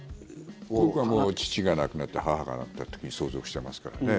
僕はもう、父が亡くなって母が亡くなった時に相続してますからね。